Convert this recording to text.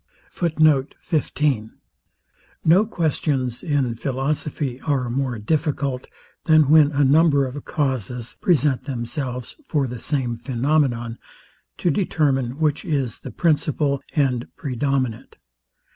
No questions in philosophy are more difficult, than when a number of causes present themselves for the same phænomenon, to determine which is the principal and predominant.